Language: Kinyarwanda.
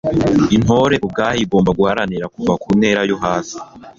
intore ubwayo igomba guharanira kuva ku ntera yo hasi